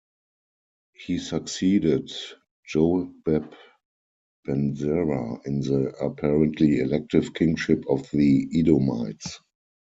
He succeeded Jobab ben Zerah in the apparently elective kingship of the Edomites.